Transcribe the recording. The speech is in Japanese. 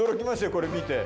これ見て。